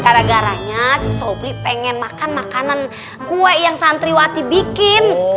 gara garanya soply pengen makan makanan kue yang santriwati bikin